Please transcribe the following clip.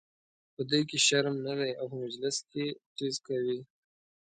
په دوی کې شرم نه دی او په مجلس کې ټیز کوي.